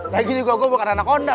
lagi juga gue bukan anak honda